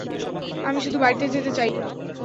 আমি শুধু বাড়িতে যেতে চাই।